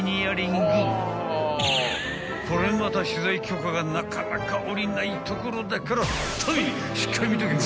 ［これまた取材許可がなかなか下りない所だからトミーしっかり見とけよ］